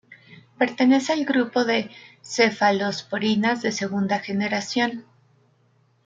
Pertenece al grupo de cefalosporinas de segunda generación.